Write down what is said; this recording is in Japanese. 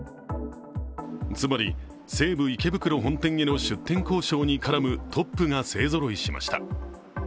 つまり、西武池袋本店への出店交渉に絡むトップが勢ぞろいしました。